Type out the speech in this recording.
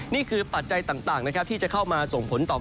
ปัจจัยต่างนะครับที่จะเข้ามาส่งผลต่อ